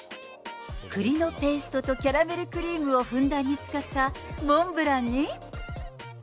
くりのペーストとキャラメルクリームをふんだんに使ったモンブランに。